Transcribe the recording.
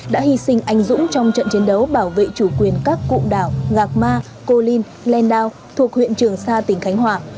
đã hy sinh anh dũng trong trận chiến đấu bảo vệ chủ quyền các cụ đảo gạc ma cô linh len đào thuộc huyện trường sa tỉnh khánh hòa